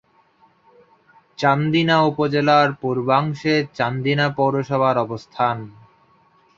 চান্দিনা উপজেলার পূর্বাংশে চান্দিনা পৌরসভার অবস্থান।